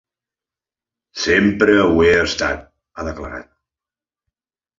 Sempre ho he estat, ha declarat.